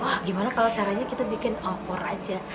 wah gimana kalau caranya kita bikin opor aja